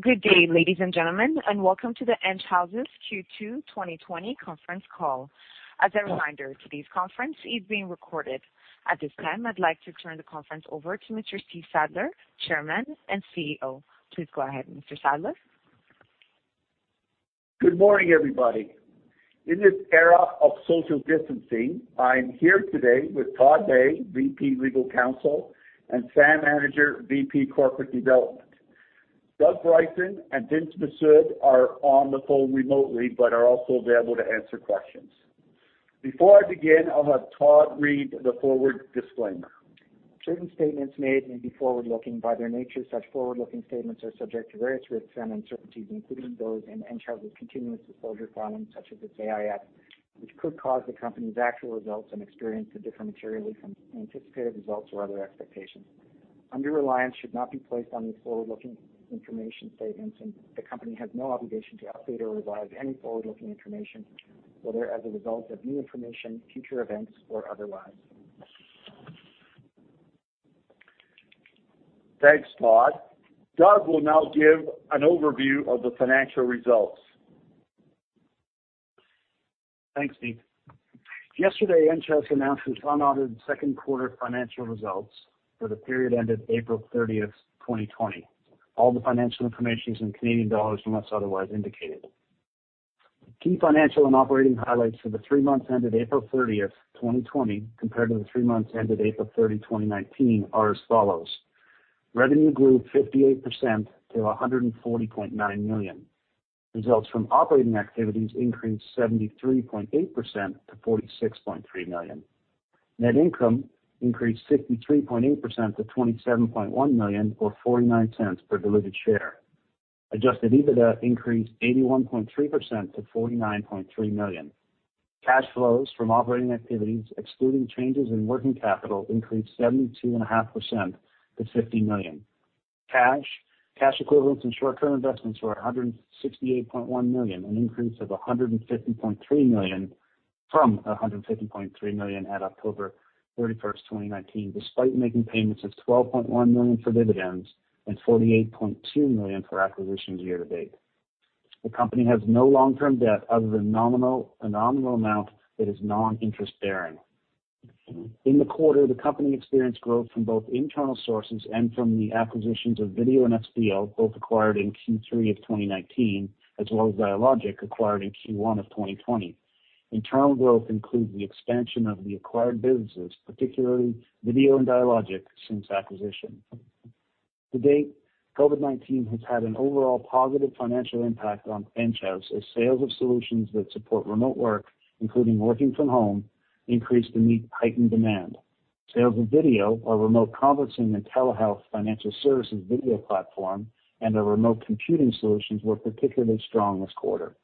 Good day, ladies and gentlemen, and welcome to the Enghouse's Q2 2020 conference call. As a reminder, today's conference is being recorded. At this time, I'd like to turn the conference over to Mr. Steve Sadler, Chairman and CEO. Please go ahead, Mr. Sadler. Good morning, everybody. In this era of social distancing, I'm here today with Todd May, Vice President, Legal Counsel, and Sam Anidjar, Vice President, Corporate Development. Doug Bryson and Vince Mifsud are on the phone remotely but are also available to answer questions. Before I begin, I'll have Todd read the forward disclaimer. Certain statements made may be forward-looking. By their nature, such forward-looking statements are subject to various risks and uncertainties, including those in Enghouse's continuous disclosure filings, such as its AIF, which could cause the company's actual results and experience to differ materially from anticipated results or other expectations. Undue reliance should not be placed on these forward-looking information statements, and the company has no obligation to update or revise any forward-looking information, whether as a result of new information, future events, or otherwise. Thanks, Todd. Doug will now give an overview of the financial results. Thanks, Steve. Yesterday, Enghouse announced its unaudited second quarter financial results for the period ended April 30, 2020. All the financial information is in Canadian dollars, unless otherwise indicated. Key financial and operating highlights for the three months ended April 30, 2020, compared to the three months ended April 30, 2019, are as follows. Revenue grew 58% to 140.9 million. Results from operating activities increased 73.8% to 46.3 million. Net income increased 63.8% to 27.1 million, or 0.49 per diluted share. Adjusted EBITDA increased 81.3% to 49.3 million. Cash flows from operating activities, excluding changes in working capital, increased 72.5% to 50 million. Cash, cash equivalents, and short-term investments were 168.1 million, an increase of 150.3 million from 150.3 million at October 31, 2019, despite making payments of 12.1 million for dividends and 48.2 million for acquisitions year to date. The company has no long-term debt other than a nominal amount that is non-interest-bearing. In the quarter, the company experienced growth from both internal sources and from the acquisitions of Vidyo and Espial, both acquired in Q3 2019, as well as Dialogic, acquired in Q1 2020. Internal growth includes the expansion of the acquired businesses, particularly Vidyo and Dialogic, since acquisition. To date, COVID-19 has had an overall positive financial impact on Enghouse as sales of solutions that support remote work, including working from home, increased to meet heightened demand. Sales of Vidyo, our remote conferencing and telehealth financial services Vidyo platform, and our remote computing solutions were particularly strong this quarter.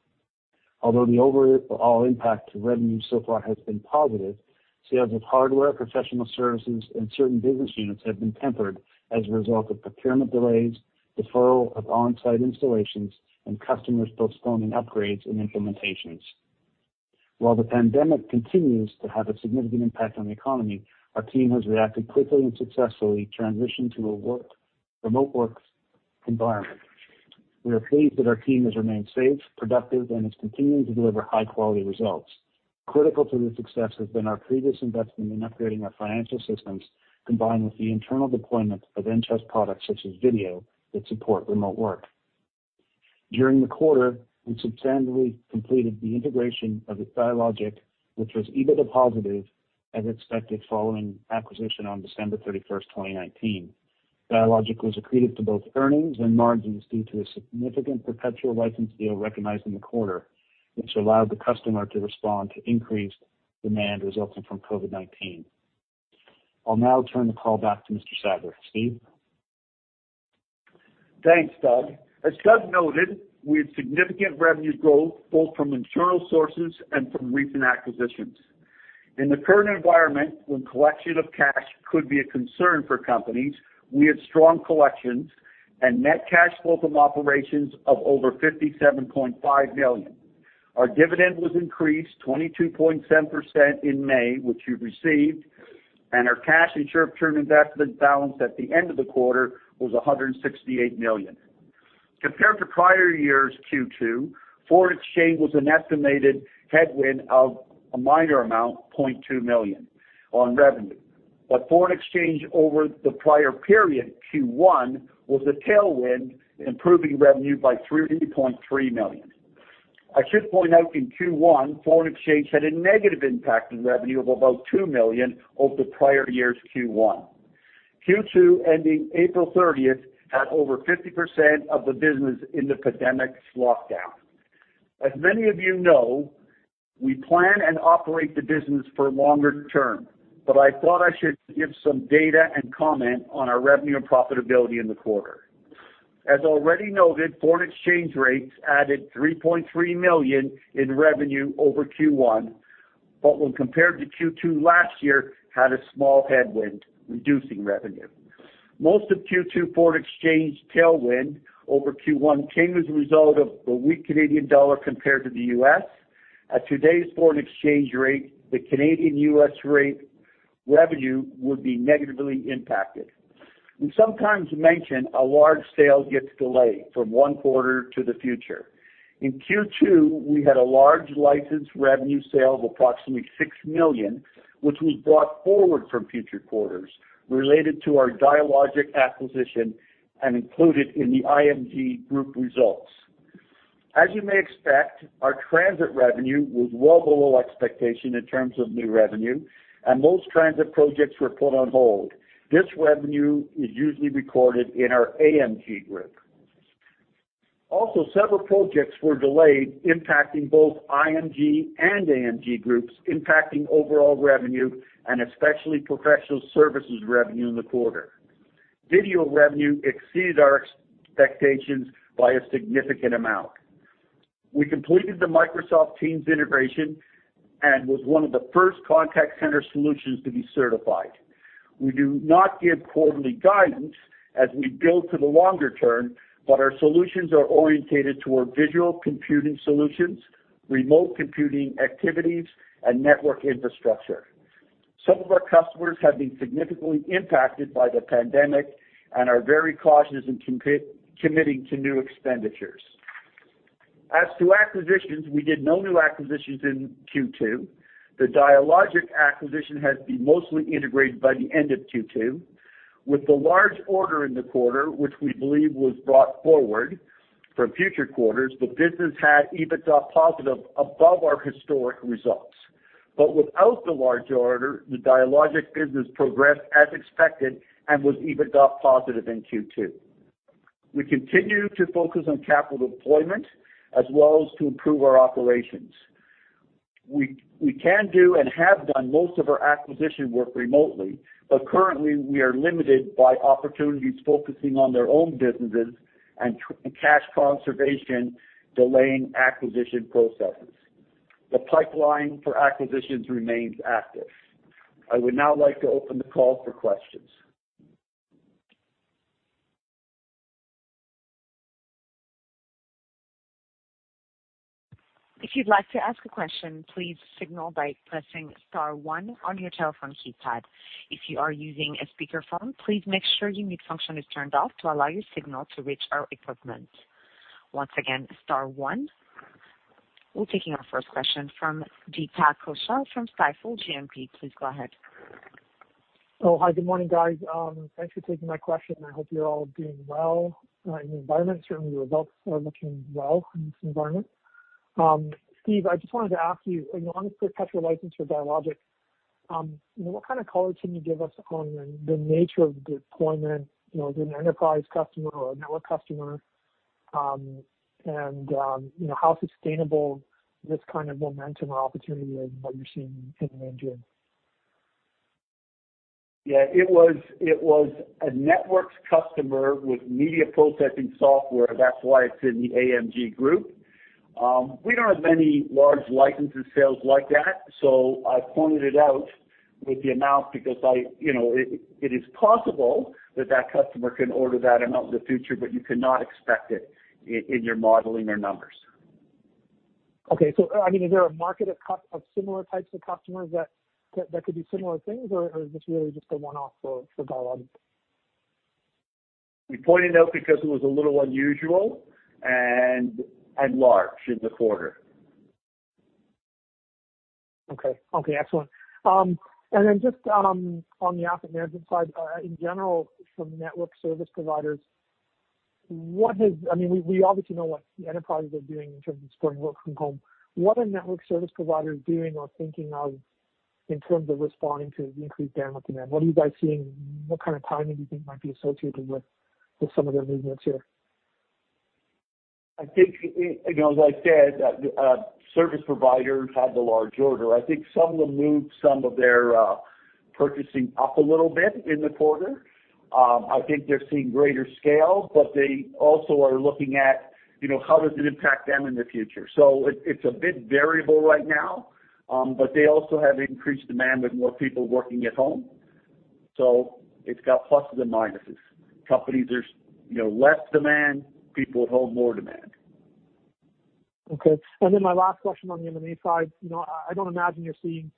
Although the overall impact to revenue so far has been positive, sales of hardware, professional services, and certain business units have been tempered as a result of procurement delays, deferral of on-site installations, and customers postponing upgrades and implementations. While the pandemic continues to have a significant impact on the economy, our team has reacted quickly and successfully transitioned to a remote work environment. We are pleased that our team has remained safe, productive, and is continuing to deliver high-quality results. Critical to this success has been our previous investment in upgrading our financial systems, combined with the internal deployment of Enghouse products such as Vidyo, that support remote work. During the quarter, we substantially completed the integration of its Dialogic, which was EBITDA positive as expected following acquisition on December 31st, 2019. Dialogic was accretive to both earnings and margins due to a significant perpetual license deal recognized in the quarter, which allowed the customer to respond to increased demand resulting from COVID-19. I'll now turn the call back to Mr. Sadler. Steve? Thanks, Doug. As Doug noted, we had significant revenue growth both from internal sources and from recent acquisitions. In the current environment, when collection of cash could be a concern for companies, we had strong collections and net cash flow from operations of over 57.5 million. Our dividend was increased 22.7% in May, which you've received, and our cash and short-term investment balance at the end of the quarter was 168 million. Compared to prior year's Q2, foreign exchange was an estimated headwind of a minor amount, 0.2 million on revenue. Foreign exchange over the prior period, Q1, was a tailwind, improving revenue by 3.3 million. I should point out in Q1, foreign exchange had a negative impact on revenue of about 2 million over the prior year's Q1. Q2, ending April 30th, had over 50% of the business in the pandemic's lockdown. As many of you know, we plan and operate the business for longer term, I thought I should give some data and comment on our revenue and profitability in the quarter. As already noted, foreign exchange rates added 3.3 million in revenue over Q1, when compared to Q2 last year, had a small headwind, reducing revenue. Most of Q2 foreign exchange tailwind over Q1 came as a result of the weak Canadian dollar compared to the U.S.,. At today's foreign exchange rate, the Canadian/US rate, revenue would be negatively impacted. We sometimes mention a large sale gets delayed from one quarter to the future. In Q2, we had a large license revenue sale of approximately 6 million, which was brought forward from future quarters, related to our Dialogic acquisition and included in the IMG Group results. As you may expect, our transit revenue was well below expectation in terms of new revenue, and most transit projects were put on hold. This revenue is usually recorded in our AMG group. Also, several projects were delayed, impacting both IMG and AMG groups, impacting overall revenue and especially professional services revenue in the quarter. Vidyo revenue exceeded our expectations by a significant amount. We completed the Microsoft Teams integration and was one of the first contact center solutions to be certified. We do not give quarterly guidance as we build to the longer term, but our solutions are orientated toward visual computing solutions, remote computing activities, and network infrastructure. Some of our customers have been significantly impacted by the pandemic and are very cautious in committing to new expenditures. As to acquisitions, we did no new acquisitions in Q2. The Dialogic acquisition has been mostly integrated by the end of Q2. With the large order in the quarter, which we believe was brought forward from future quarters, the business had EBITDA positive above our historic results. Without the large order, the Dialogic business progressed as expected and was EBITDA positive in Q2. We continue to focus on capital deployment as well as to improve our operations. We can do and have done most of our acquisition work remotely, but currently, we are limited by opportunities focusing on their own businesses and cash conservation delaying acquisition processes. The pipeline for acquisitions remains active. I would now like to open the call for questions. If you'd like to ask a question, please signal by pressing star one on your telephone keypad. If you are using a speakerphone, please make sure the mute function is turned off to allow your signal to reach our equipment. Once again, star one. We're taking our first question from Deepak Kaushal from Stifel GMP. Please go ahead. Oh, hi. Good morning, guys. Thanks for taking my question. I hope you're all doing well in the environment. Certainly, the results are looking well in this environment. Steve, I just wanted to ask you, on the perpetual license for Dialogic, what kind of color can you give us on the nature of the deployment, an enterprise customer or a network customer, and how sustainable this kind of momentum or opportunity is, what you're seeing in AMG? Yeah. It was a networks customer with media processing software. That's why it's in the AMG group. We don't have many large licenses sales like that, so I pointed it out with the amount because it is possible that that customer can order that amount in the future, but you cannot expect it in your modeling or numbers. Okay. Is there a market of similar types of customers that could do similar things, or is this really just a one-off for Dialogic? We pointed it out because it was a little unusual and large in the quarter. Okay. Excellent. Then just on the asset management side, in general, from network service providers, we obviously know what the enterprises are doing in terms of supporting work from home. What are network service providers doing or thinking of in terms of responding to the increased demand with them? What are you guys seeing, and what kind of timing do you think might be associated with some of their movements here? I think, as I said, service providers had the large order. I think some of them moved some of their purchasing up a little bit in the quarter. I think they're seeing greater scale, but they also are looking at how does it impact them in the future. It's a bit variable right now, but they also have increased demand with more people working at home. It's got pluses and minuses. Companies, there's less demand. People at home, more demand. Okay. My last question on the M&A side. I don't imagine you're seeing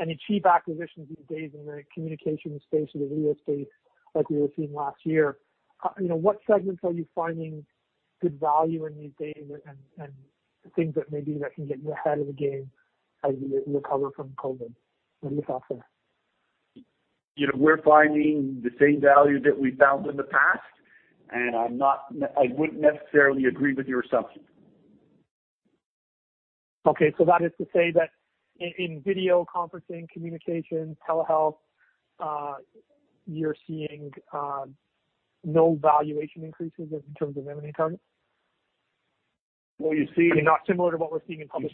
any cheap acquisitions these days in the communications space or the Vidyo space like we were seeing last year. What segments are you finding good value in these days and things that maybe that can get you ahead of the game as we recover from COVID? What are your thoughts there? We're finding the same value that we found in the past, and I wouldn't necessarily agree with your assumption. Okay. That is to say that in Vidyo conferencing, communications, telehealth, you're seeing no valuation increases in terms of M&A targets? Well, you see- Not similar to what we're seeing in public-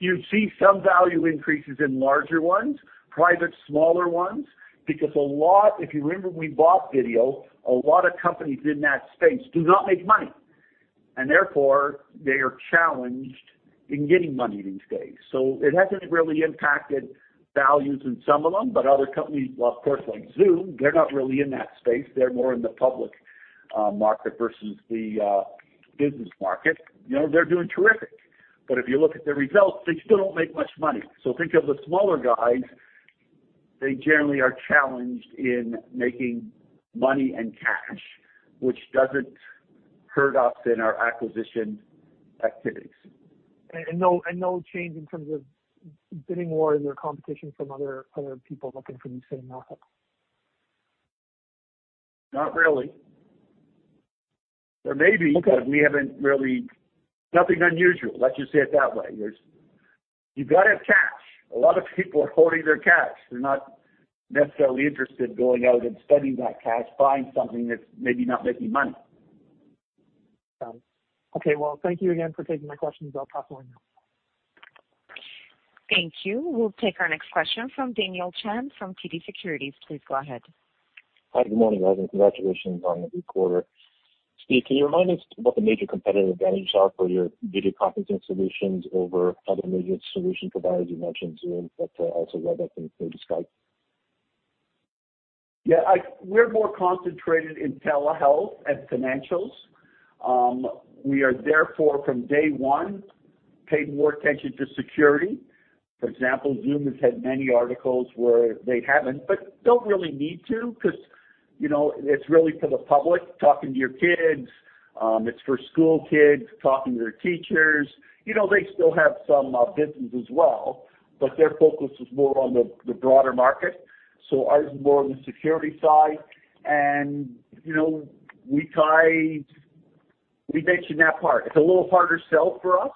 You see some value increases in larger ones, private, smaller ones. If you remember, when we bought Vidyo, a lot of companies in that space do not make money. Therefore, they are challenged in getting money these days. It hasn't really impacted values in some of them. Other companies, of course like Zoom, they're not really in that space. They're more in the public market versus the business market. They're doing terrific. If you look at the results, they still don't make much money. Think of the smaller guys, they generally are challenged in making money and cash, which doesn't hurt us in our acquisition activities. No change in terms of bidding wars or competition from other people looking for these same assets? Not really. Okay. Nothing unusual, let's just say it that way. You've got to have cash. A lot of people are holding their cash. They're not necessarily interested going out and spending that cash, buying something that's maybe not making money. Got it. Okay. Well, thank you again for taking my questions. I'll talk later. Thank you. We'll take our next question from Daniel Chan from TD Securities. Please go ahead. Hi, good morning, guys. Congratulations on the new quarter. Steve, can you remind us what the major competitive advantages are for your Vidyo conferencing solutions over other major solution providers? You mentioned Zoom, but also Webex and maybe Skype. Yeah. We're more concentrated in telehealth and financials. We are, from day one, paid more attention to security. For example, Zoom has had many articles where they haven't, don't really need to because it's really for the public, talking to your kids. It's for school kids talking to their teachers. They still have some business as well, their focus is more on the broader market. Ours is more on the security side. We mentioned that part. It's a little harder sell for us,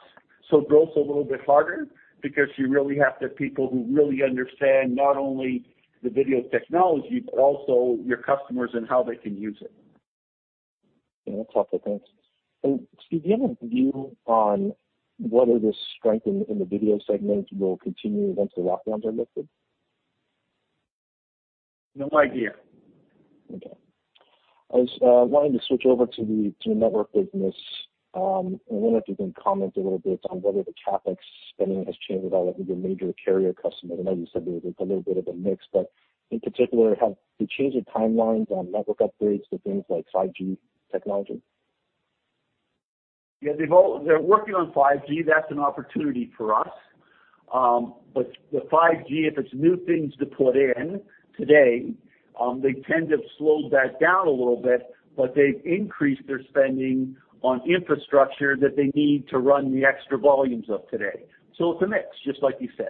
growth's a little bit harder because you really have to have people who really understand not only the Vidyo technology, but also your customers and how they can use it. Yeah, that's helpful. Thanks. Steve, do you have a view on whether the strength in the Vidyo segment will continue once the lockdowns are lifted? No idea. Okay. I was wanting to switch over to the network business. I wonder if you can comment a little bit on whether the CapEx spending has changed at all with your major carrier customers. I know you said there was a little bit of a mix, but in particular, have they changed their timelines on network upgrades for things like 5G technology? Yeah, they're working on 5G. That's an opportunity for us. The 5G, if it's new things to put in today, they tend to have slowed that down a little bit, but they've increased their spending on infrastructure that they need to run the extra volumes of today. It's a mix, just like you said.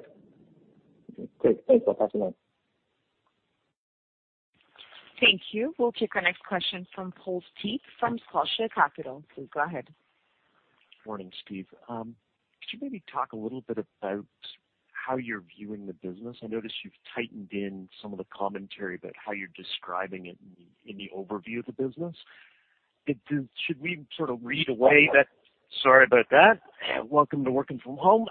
Okay, great. Thanks. I'll talk to you later. Thank you. We'll take our next question from Paul Steep from Scotia Capital. Please go ahead. Morning, Steve. Could you maybe talk a little bit about how you're viewing the business? I notice you've tightened in some of the commentary about how you're describing it in the overview of the business. Sorry about that. Welcome to working from home.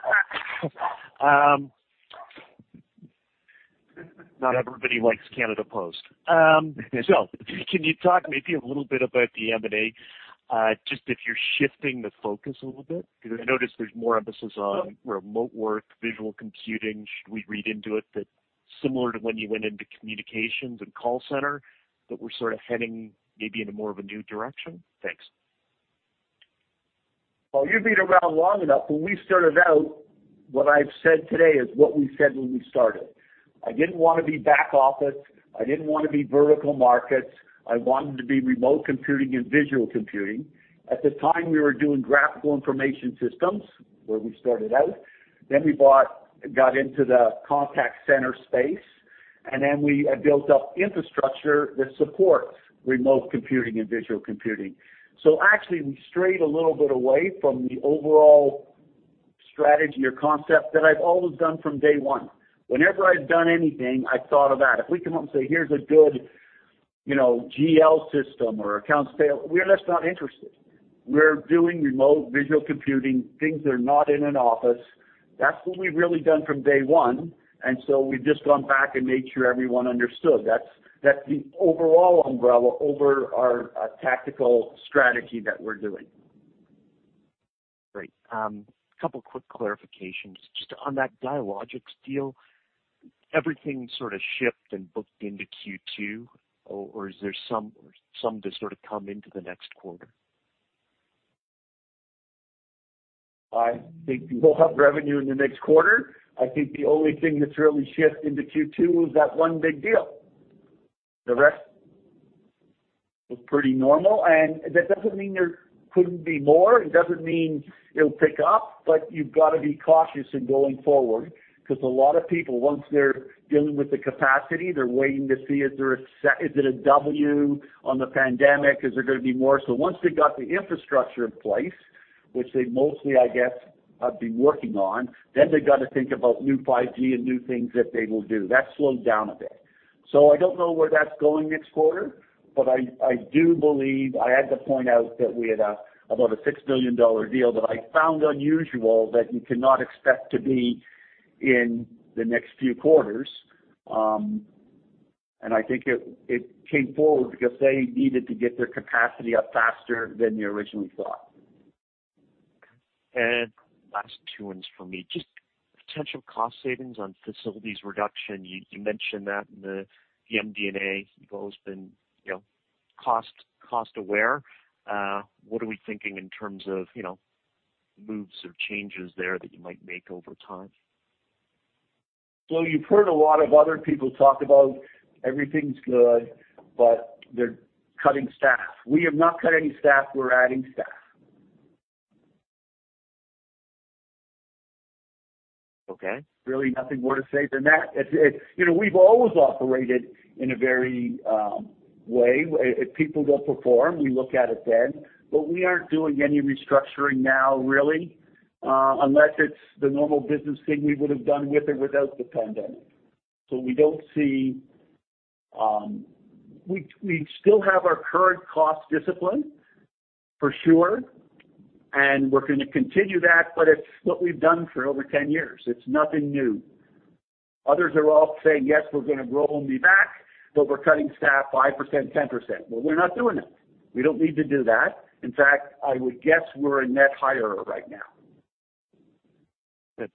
Not everybody likes Canada Post. Can you talk maybe a little bit about the M&A? Just if you're shifting the focus a little bit, because I notice there's more emphasis on remote work, visual computing. Should we read into it that similar to when you went into communications and call center, that we're sort of heading maybe into more of a new direction? Thanks. Well, you've been around long enough. When we started out, what I've said today is what we said when we started. I didn't want to be back office. I didn't want to be vertical markets. I wanted to be remote computing and visual computing. At the time, we were doing graphical information systems, where we started out. We got into the contact center space, and then we built up infrastructure that supports remote computing and visual computing. Actually, we strayed a little bit away from the overall strategy or concept that I've always done from day one. Whenever I've done anything, I've thought of that. If we come up and say, "Here's a good GL system or accounts payable," we're just not interested. We're doing remote visual computing, things that are not in an office. That's what we've really done from day one, and so we've just gone back and made sure everyone understood. That's the overall umbrella over our tactical strategy that we're doing. Great. Couple quick clarifications. Just on that Dialogic deal, everything sort of shipped and booked into Q2, or is there some to sort of come into the next quarter? I think we'll have revenue in the next quarter. I think the only thing that's really shipped into Q2 was that one big deal. The rest was pretty normal, and that doesn't mean there couldn't be more. It doesn't mean it'll pick up. You've got to be cautious in going forward, because a lot of people, once they're dealing with the capacity, they're waiting to see is it a W on the pandemic? Is there going to be more? Once they've got the infrastructure in place, which they mostly, I guess, have been working on, then they've got to think about new 5G and new things that they will do. That slowed down a bit. I don't know where that's going next quarter, but I do believe I had to point out that we had about a 6 million dollar deal that I found unusual that you cannot expect to be in the next few quarters. I think it came forward because they needed to get their capacity up faster than they originally thought. Last two ones for me. Potential cost savings on facilities reduction. You mentioned that in the MD&A. You've always been cost-aware. What are we thinking in terms of moves or changes there that you might make over time? You've heard a lot of other people talk about everything's good, but they're cutting staff. We have not cut any staff. We're adding staff. Okay. Really nothing more to say than that. We've always operated in a varied way. If people don't perform, we look at it then, but we aren't doing any restructuring now, really, unless it's the normal business thing we would've done with or without the pandemic. We still have our current cost discipline, for sure, and we're going to continue that, but it's what we've done for over 10 years. It's nothing new. Others are all saying, "Yes, we're going to roll me back, but we're cutting staff 5%, 10%." We're not doing that. We don't need to do that. In fact, I would guess we're a net hirer right now. Good.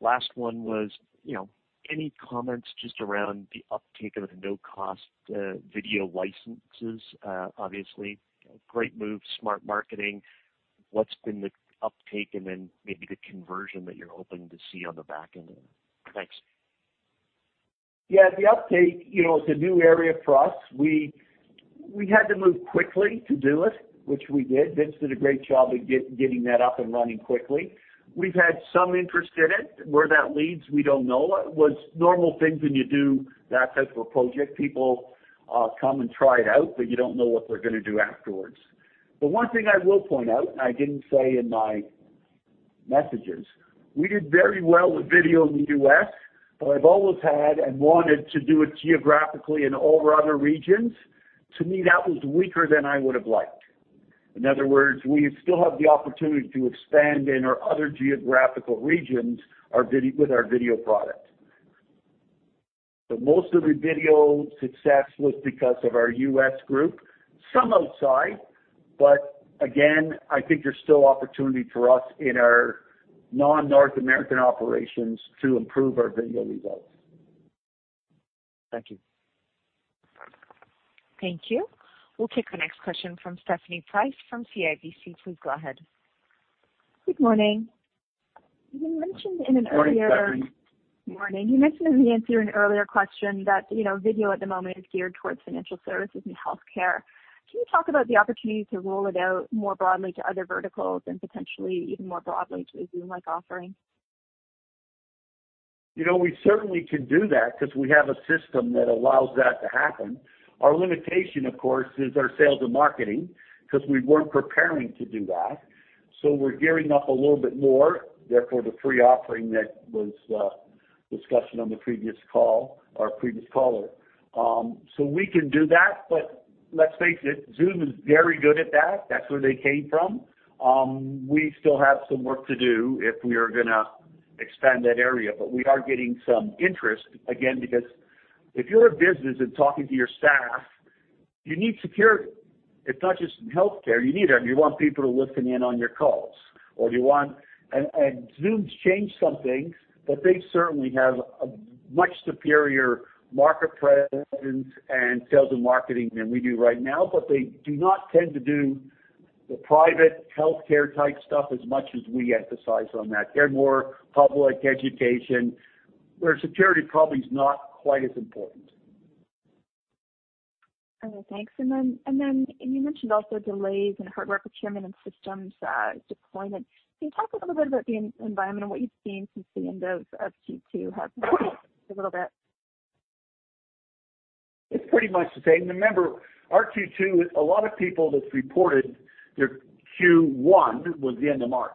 Last one was, any comments just around the uptake of the no-cost Vidyo licenses? Obviously, great move, smart marketing. What's been the uptake and then maybe the conversion that you're hoping to see on the back end of that? Thanks. Yeah, the uptake, it's a new area for us. We had to move quickly to do it, which we did. Vince did a great job of getting that up and running quickly. We've had some interest in it. Where that leads, we don't know. Was normal things when you do that type of a project. People come and try it out, but you don't know what they're going to do afterwards. The one thing I will point out, and I didn't say in my messages, we did very well with Vidyo in the U.S., but I've always had and wanted to do it geographically in all of our other regions. To me, that was weaker than I would've liked. In other words, we still have the opportunity to expand in our other geographical regions with our Vidyo product. Most of the Vidyo success was because of our US group, some outside. Again, I think there's still opportunity for us in our non-North American operations to improve our Vidyo results. Thank you. Thank you. We'll take the next question from Stephanie Price from CIBC. Please go ahead. Good morning. Morning, Stephanie. Morning. You mentioned in the answer in an earlier question that Vidyo at the moment is geared towards financial services and healthcare. Can you talk about the opportunity to roll it out more broadly to other verticals and potentially even more broadly to a Zoom-like offering? We certainly can do that because we have a system that allows that to happen. Our limitation, of course, is our sales and marketing because we weren't preparing to do that. We're gearing up a little bit more, therefore the free offering that was discussed on the previous call, our previous caller. We can do that, but let's face it, Zoom is very good at that. That's where they came from. We still have some work to do if we are going to expand that area, but we are getting some interest. Again, because if you're a business and talking to your staff, you need security. It's not just in healthcare. You need it, or you want people listening in on your calls. Zoom's changed some things, but they certainly have a much superior market presence and sales and marketing than we do right now. They do not tend to do the private healthcare-type stuff as much as we emphasize on that. They're more public education where security probably is not quite as important. Okay, thanks. You mentioned also delays in hardware procurement and systems deployment. Can you talk a little bit about the environment and what you've seen since the end of Q2 happen a little bit? It's pretty much the same. Remember our Q2, a lot of people that's reported their Q1 was the end of March.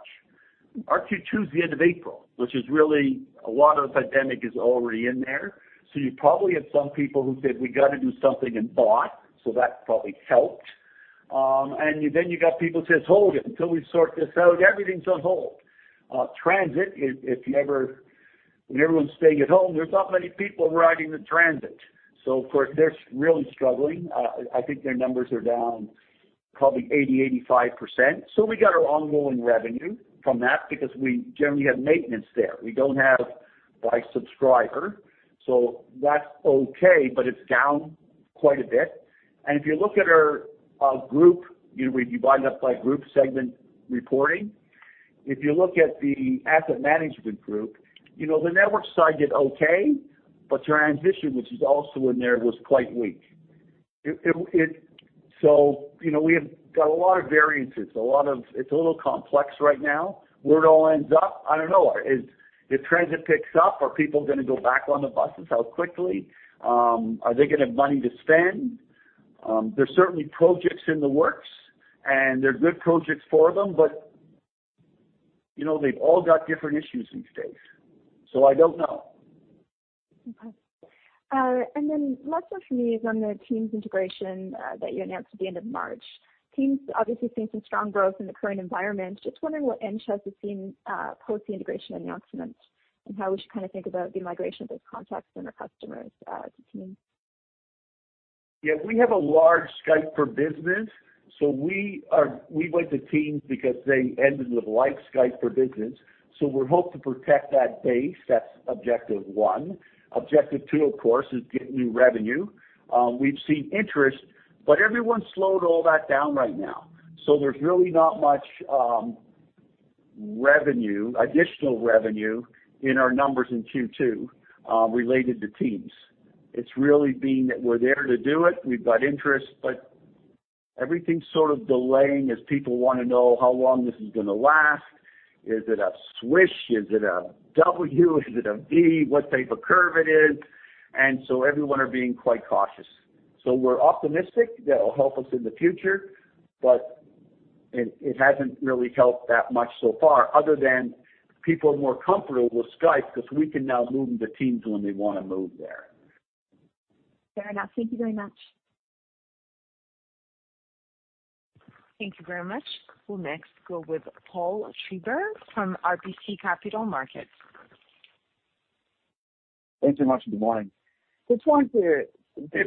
Our Q2 is the end of April, which is really a lot of the pandemic is already in there. You probably have some people who said, "We got to do something" and bought. That probably helped. Then you got people who says, "Hold it until we sort this out. Everything's on hold." Transit, when everyone's staying at home, there's not many people riding the transit. Of course, they're really struggling. I think their numbers are down probably 80%-85%. We got our ongoing revenue from that because we generally have maintenance there. We don't have by subscriber, so that's okay, but it's down quite a bit. If you look at our group, we divide it up by group segment reporting. If you look at the Asset Management Group, the network side did okay, but transition, which is also in there, was quite weak. We have got a lot of variances. It's a little complex right now. Where it all ends up, I don't know. If transit picks up, are people going to go back on the buses? How quickly? Are they going to have money to spend? There's certainly projects in the works, and they're good projects for them, but they've all got different issues these days. I don't know. Okay. Last one from me is on the Teams integration that you announced at the end of March. Teams obviously have seen some strong growth in the current environment. Just wondering what inroads you've seen post the integration announcement, and how we should think about the migration of those contacts and our customers to Teams. Yes, we have a large Skype for Business, so we went to Teams because they end of life Skype for Business. We hope to protect that base. That's objective one. Objective two, of course, is get new revenue. We've seen interest, but everyone's slowed all that down right now. There's really not much additional revenue in our numbers in Q2 related to Teams. It's really been that we're there to do it. We've got interest, but everything's sort of delaying as people want to know how long this is going to last. Is it a swish? Is it a W? Is it a V? What type of curve it is? Everyone is being quite cautious. We're optimistic that it'll help us in the future, but it hasn't really helped that much so far other than people are more comfortable with Skype because we can now move them to Teams when they want to move there. Fair enough. Thank you very much. Thank you very much. We'll next go with Paul Treiber from RBC Capital Markets. Thanks so much, and good morning. Hey,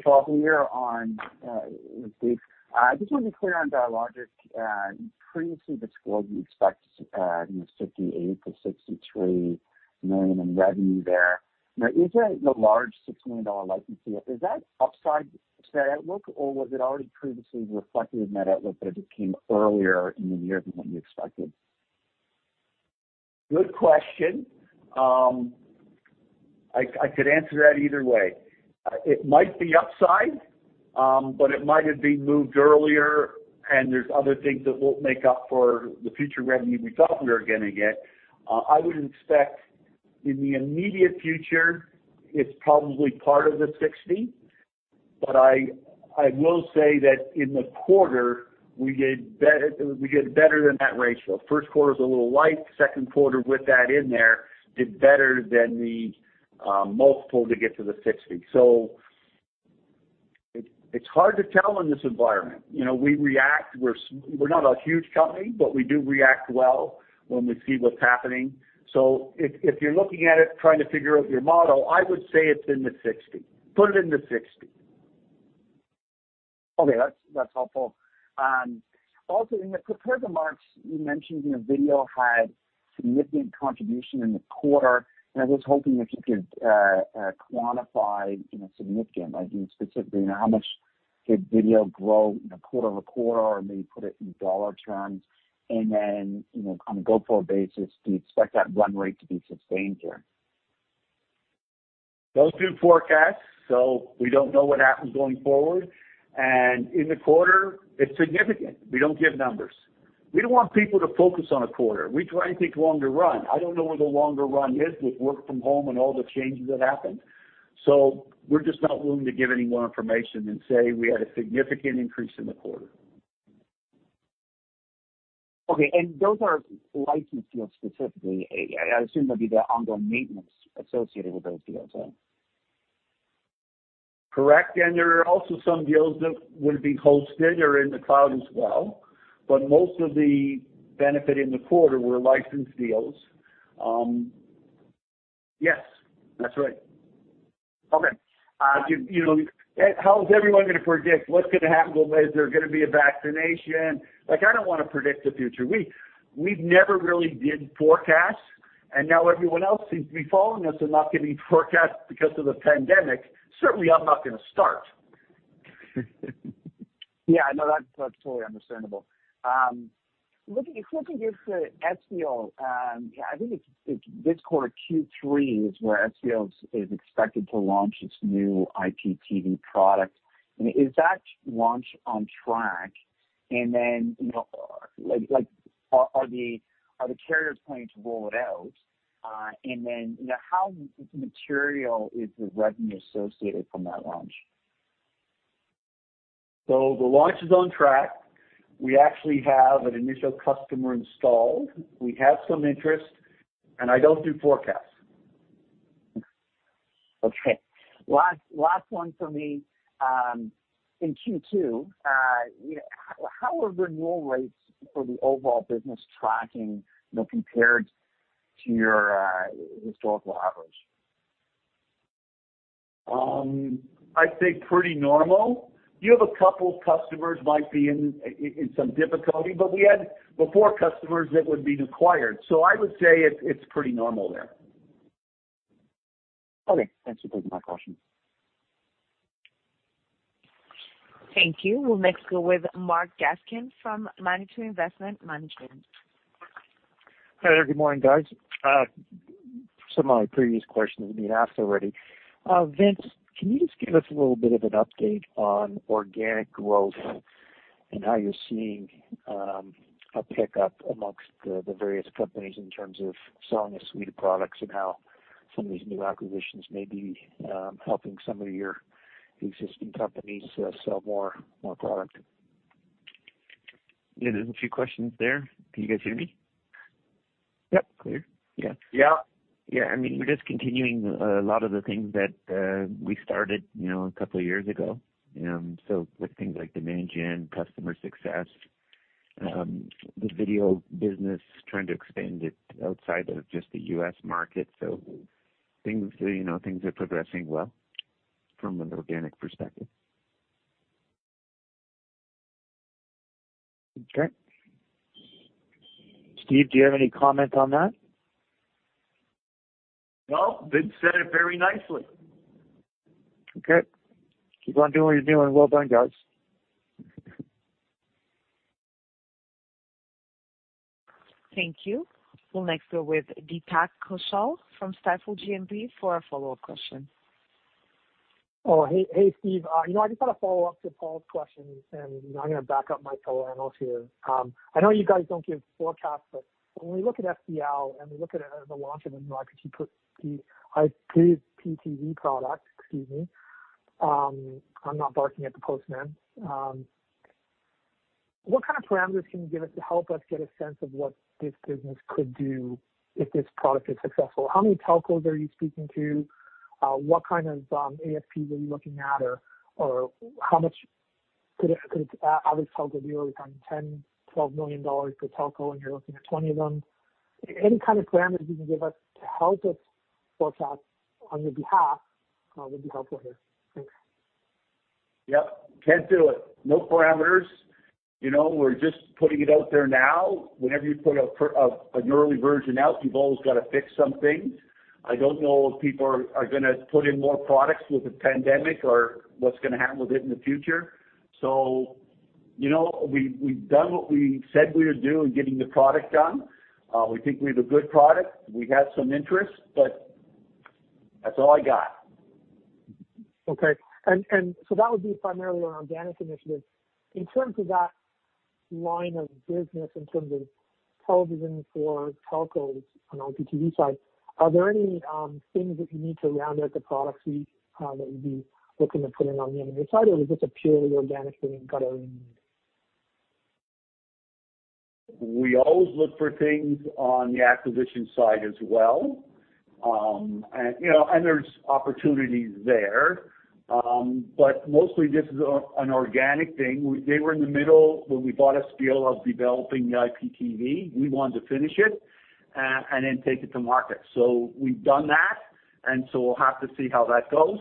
Paul. I just wanted to be clear on, let's see, Dialogic. You previously disclosed you expect 58 million-63 million in revenue there. Now, is it the large 6 million dollar license deal, is that upside to that outlook, or was it already previously reflected in that outlook, but it just came earlier in the year than what you expected? Good question. I could answer that either way. It might be upside, but it might have been moved earlier, and there's other things that won't make up for the future revenue we thought we were going to get. I would expect in the immediate future, it's probably part of the 60. I will say that in the quarter, we did better than that ratio. First quarter's a little light, second quarter, with that in there, did better than the multiple to get to the 60. It's hard to tell in this environment. We're not a huge company, but we do react well when we see what's happening. If you're looking at it, trying to figure out your model, I would say it's in the 60. Put it in the 60. Okay. That's helpful. Also, in the prepared remarks, you mentioned Vidyo had significant contribution in the quarter, and I was hoping if you could quantify significant. Like specifically, how much did Vidyo grow quarter-over-quarter, or maybe put it in dollar terms? On a go-forward basis, do you expect that run rate to be sustained here? Don't do forecasts, we don't know what happens going forward. In the quarter it's significant. We don't give numbers. We don't want people to focus on a quarter. We try and think longer run. I don't know where the longer run is with work from home and all the changes that happened. We're just not willing to give any more information than say we had a significant increase in the quarter. Okay. Those are license deals specifically. I assume there'll be the ongoing maintenance associated with those deals then. Correct. There are also some deals that would be hosted or in the cloud as well, but most of the benefit in the quarter were license deals. Yes, that's right. Okay. How is everyone going to predict what's going to happen? Well, is there going to be a vaccination? Like, I don't want to predict the future. We never really did forecasts, and now everyone else seems to be following us and not giving forecasts because of the pandemic. Certainly, I'm not going to start. Yeah, no, that's totally understandable. Looking at the Espial, I think this quarter, Q3, is where Espial is expected to launch its new IPTV product. Is that launch on track? Are the carriers planning to roll it out? How material is the revenue associated from that launch? The launch is on track. We actually have an initial customer installed. We have some interest, I don't do forecasts. Okay. Last one from me. In Q2, how are renewal rates for the overall business tracking compared to your historical average? I'd say pretty normal. You have a couple of customers might be in some difficulty, but we had before customers that would be acquired. I would say it's pretty normal there. Okay. Thanks for taking my question. Thank you. We'll next go with Mark Gaskin from Manitou Investment Management. Hi there. Good morning, guys. Some of my previous questions have been asked already. Vince, can you just give us a little bit of an update on organic growth and how you're seeing a pickup amongst the various companies in terms of selling a suite of products and how some of these new acquisitions may be helping some of your existing companies sell more product? Yeah, there's a few questions there. Can you guys hear me? Yep. Clear Yeah. Yeah. We're just continuing a lot of the things that we started a couple of years ago. With things like demand gen, customer success, the Vidyo business, trying to expand it outside of just the US market. Things are progressing well from an organic perspective. Okay. Steve, do you have any comment on that? No, Vince said it very nicely. Okay. Keep on doing what you're doing. Well done, guys. Thank you. We'll next go with Deepak Kaushal from Stifel GMP for a follow-up question. Oh, hey, Steve. I'm going to back up my fellow analyst here. I know you guys don't give forecasts. When we look at Espial and we look at it as a launch of a new IPTV product, excuse me. I'm not barking at the postman. What kind of parameters can you give us to help us get a sense of what this business could do if this product is successful? How many telcos are you speaking to? What kind of ASP were you looking at? How much could an average telco deal be from 10 million, 12 million dollars per telco, and you're looking at 20 of them? Any kind of parameters you can give us to help us forecast on your behalf would be helpful here. Thanks. Yep. Can't do it. No parameters. We're just putting it out there now. Whenever you put an early version out, you've always got to fix something. I don't know if people are gonna put in more products with the pandemic or what's gonna happen with it in the future. We've done what we said we would do in getting the product done. We think we have a good product. We have some interest, but that's all I got. Okay. That would be primarily an organic initiative. In terms of that line of business, in terms of television for telcos on the IPTV side, are there any things that you need to round out the product suite that you'd be looking to put in on the M&A side, or is this a purely organic thing you got going? We always look for things on the acquisition side as well. There's opportunities there. Mostly this is an organic thing. They were in the middle, when we bought Espial, of developing the IPTV. We wanted to finish it and then take it to market. We've done that, and we'll have to see how that goes.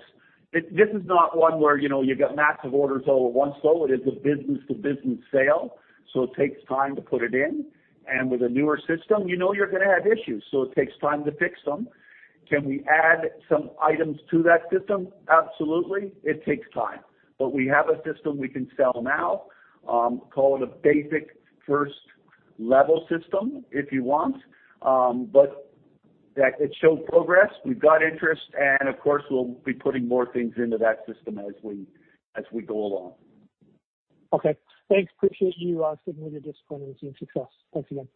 This is not one where you've got massive orders all at once, though. It is a business-to-business sale, so it takes time to put it in. With a newer system, you know you're gonna have issues, so it takes time to fix them. Can we add some items to that system? Absolutely. It takes time. We have a system we can sell now. Call it a basic 1st-level system if you want. It showed progress. We've got interest, and of course, we'll be putting more things into that system as we go along. Okay. Thanks. Appreciate you sticking with it this quarter and seeing success. Thanks again.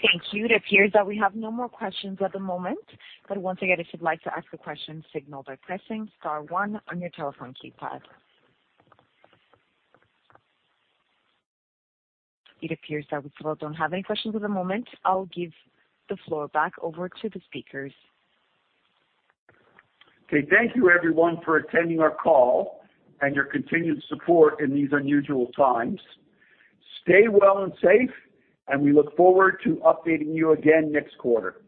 Thank you. It appears that we have no more questions at the moment. Once again, if you'd like to ask a question, signal by pressing star one on your telephone keypad. It appears that we still don't have any questions at the moment. I'll give the floor back over to the speakers. Okay. Thank you everyone for attending our call and your continued support in these unusual times. Stay well and safe, and we look forward to updating you again next quarter.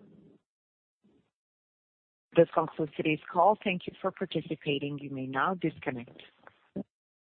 This concludes today's call. Thank you for participating. You may now disconnect.